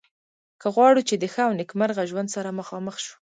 که غواړو چې د ښه او نیکمرغه ژوند سره مخامخ شو.